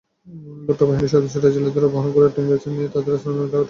ভুট্টো বাহিনীর সদস্যরা জেলেদের অপহরণ করে ঠেংগারচরে নিয়ে তাদের আস্তানায় আটকে রাখে।